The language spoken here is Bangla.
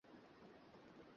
কিন্তু কেন দেখাতে নিয়ে এসেছে?